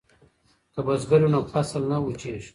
که بزګر وي نو فصل نه وچیږي.